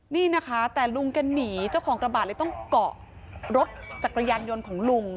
นี่นะคะแต่ลุงแกหนีเจ้าของกระบาดเลยต้องเกาะรถจักรยานยนต์ของลุง